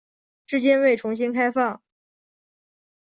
至今未重新开放。